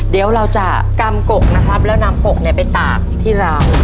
เดี๋ยวเราจะกำกกนะครับแล้วนำกกไปตากที่ราว